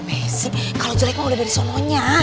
eh sih kalo jelek mah udah dari sononya